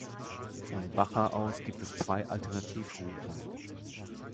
Von Baja aus gibt es zwei Alternativrouten.